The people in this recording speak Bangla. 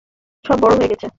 সব বড় হয়ে গেছে।